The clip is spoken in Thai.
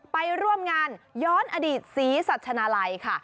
ไปร่วมงานย้อนอดีตศรีสัชนาลัยค่ะ